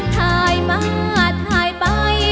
ทายมาทายไป